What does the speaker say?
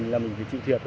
năm thứ một mươi chín